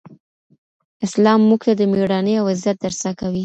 اسلام موږ ته د مېړاني او عزت درس راکوي.